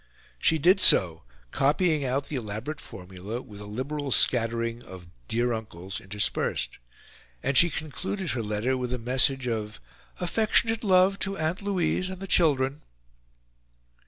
She did so, copying out the elaborate formula, with a liberal scattering of "dear Uncles" interspersed; and she concluded her letter with a message of "affectionate love to Aunt Louise and the children."